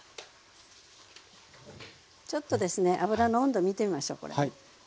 ちょっとですね油の温度見てみましょうこれ。